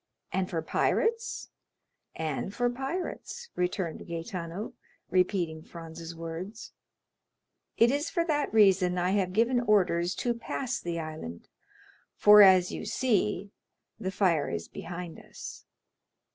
"And for pirates?" "And for pirates," returned Gaetano, repeating Franz's words. "It is for that reason I have given orders to pass the island, for, as you see, the fire is behind us."